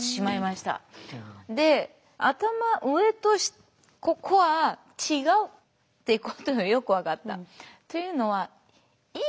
で頭上とここは違うってことがよく分かった。